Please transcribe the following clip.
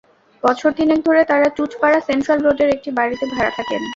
বছর তিনেক ধরে তাঁরা টুটপাড়া সেন্ট্রাল রোডের একটি বাড়িতে ভাড়া থাকেন।